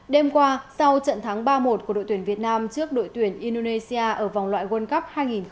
đêm qua sau trận thắng ba một của đội tuyển việt nam trước đội tuyển indonesia ở vòng loại world cup hai nghìn hai mươi ba